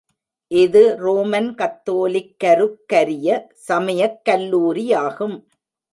இது ரோமன் கத்தோலிக்கருக்கரிய சமயக் கல்லூரியாகும்.